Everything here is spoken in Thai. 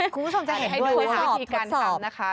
คุณผู้ชมจะเห็นให้ด้วยวิธีการทำนะคะ